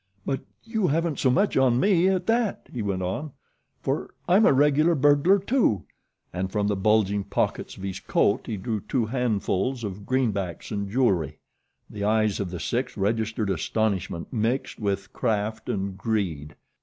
"But you haven't so much on me, at that," he went on, "for I'm a regular burglar, too," and from the bulging pockets of his coat he drew two handfuls of greenbacks and jewelry. The eyes of the six registered astonishment, mixed with craft and greed.